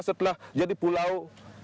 setelah jadi pulau